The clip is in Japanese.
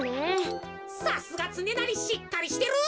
さすがつねなりしっかりしてる！